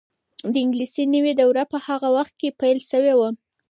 د انګلیسي نوې دوره په هغه وخت کې پیل شوې وه.